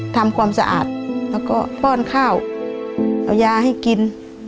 ทำความสะอาดแล้วก็ป้อนข้าวเอายาให้กิน